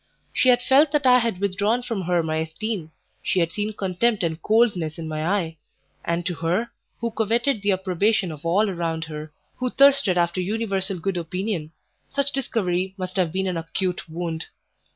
She had felt that I had withdrawn from her my esteem; she had seen contempt and coldness in my eye, and to her, who coveted the approbation of all around her, who thirsted after universal good opinion, such discovery must have been an acute wound.